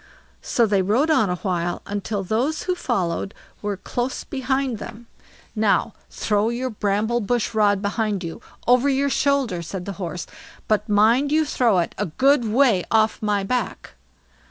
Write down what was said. So they rode on a while, until those who followed were close behind them. "Now throw your bramble bush rod behind you, over your shoulder", said the Horse; "but mind you throw it a good way off my back."